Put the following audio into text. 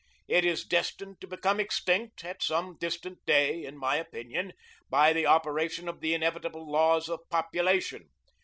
It is destined to become extinct, at some distant day, in my opinion, by the operation of the inevitable laws of population.